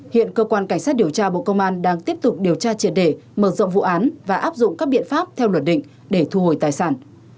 hiện cơ quan cảnh sát điều tra bộ công an đang tiếp tục điều tra triệt đề mở rộng vụ án và áp dụng các biện pháp theo luật định để thu hồi tài sản